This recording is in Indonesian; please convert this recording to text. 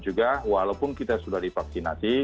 juga walaupun kita sudah divaksinasi